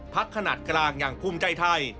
ขนาดกลางอย่างภูมิใจไทย